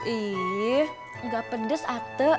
ih gak pedes ate